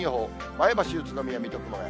前橋、宇都宮、水戸、熊谷。